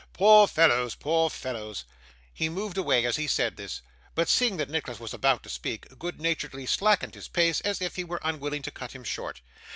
'Poor fellows, poor fellows!' He moved away as he said this; but seeing that Nicholas was about to speak, good naturedly slackened his pace, as if he were unwilling to cut him short.